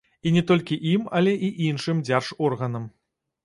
І не толькі ім, але і іншым дзяржорганам.